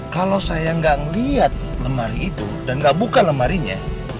kalau saya nggak melihat lemari itu dan nggak buka lemarinya